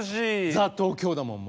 ザ・東京だもんもう。